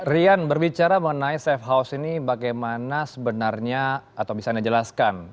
rian berbicara mengenai safe house ini bagaimana sebenarnya atau bisa anda jelaskan